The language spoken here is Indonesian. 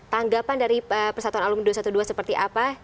tanggapan dari persatuan alumni dua ratus dua belas seperti apa